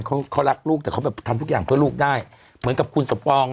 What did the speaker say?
เขาเขารักลูกแต่เขาแบบทำทุกอย่างเพื่อลูกได้เหมือนกับคุณสมปองอ่ะ